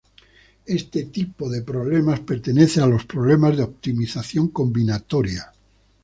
Este tipo de problemas pertenece a los problemas de optimización combinatoria.